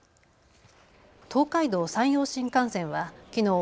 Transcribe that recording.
東海道、山陽新幹線はきのう